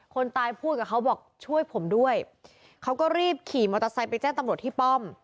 คนตายพูดกับเขาบอกช่วยผมด้วยเขาก็รีบขี่มอเตอร์ไซค์ไปแจ้งตำรวจที่ป้อม